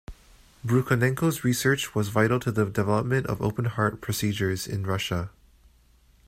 Brukhonenko's research was vital to the development of open-heart procedures in Russia.